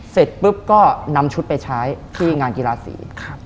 เสร็จปุ๊บก็นำชุดไปใช้ที่งานกีฬาสี